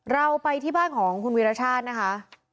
เราไปที่บ้านของคุณวีรชาตินะคะ